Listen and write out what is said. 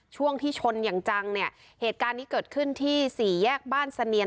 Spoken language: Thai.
ช่วงที่ชนอย่างจังเนี่ยเหตุการณ์นี้เกิดขึ้นที่สี่แยกบ้านเสนียน